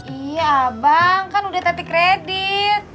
iya bang kan udah tetik kredit